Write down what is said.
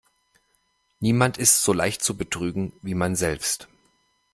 Niemand ist so leicht zu betrügen, wie man selbst.